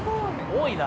多いな。